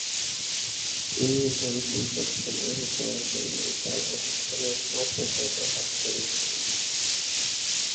তিনি ধনসম্পদ সংগ্রহ করার জন্য তার অবস্থানের অপব্যবহার করেছিলেন।